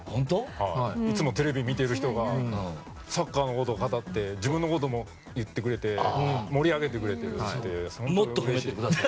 いつもテレビを見ている人がサッカーのことを語って自分のことも言ってくれてもっとください。